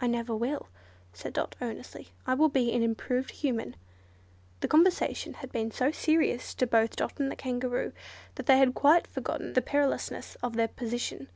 "I never will," said Dot, earnestly, "I will be an improved Human." This conversation had been so serious to both Dot and the Kangaroo, that they had quite forgotten the perilousness of their position.